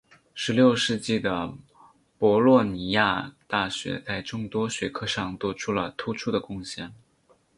十六世纪的博洛尼亚大学在众多学科上做出了突出的贡献。